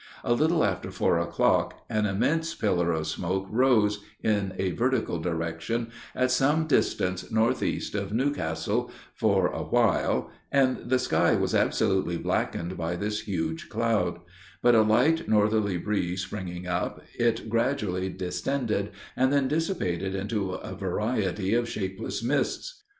A little after four o'clock, an immense pillar of smoke rose, in a vertical direction, at some distance northeast of New Castle, for a while, and the sky was absolutely blackened by this huge cloud; but a light, northerly breeze springing up, it gradually distended, and then dissipated into a variety of shapeless mists.